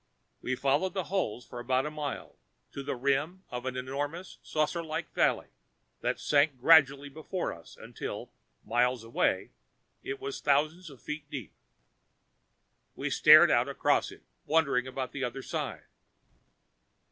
We followed the holes for about a mile, to the rim of an enormous saucerlike valley that sank gradually before us until, miles away, it was thousands of feet deep. We stared out across it, wondering about the other side.